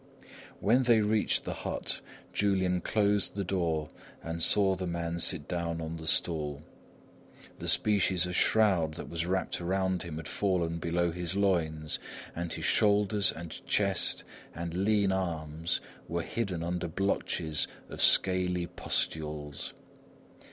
When they reached the hut, Julian closed the door and saw the man sit down on the stool. The species of shroud that was wrapped around him had fallen below his loins, and his shoulders and chest and lean arms were hidden under blotches of scaly pustules.